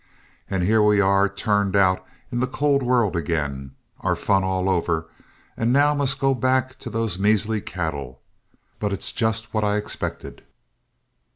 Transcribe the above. And here we are turned out in the cold world again, our fun all over, and now must go back to those measly cattle. But it's just what I expected."